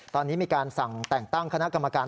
ตอนนี้มีการสั่งแต่งตั้งคณะกรรมการ